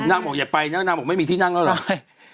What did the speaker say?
บอกอย่าไปนะนางบอกไม่มีที่นั่งแล้วเหรอ